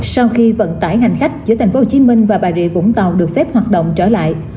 sau khi vận tải hành khách giữa tp hcm và bà rịa vũng tàu được phép hoạt động trở lại